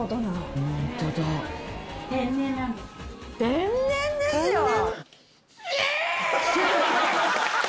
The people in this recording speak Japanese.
天然ですよ！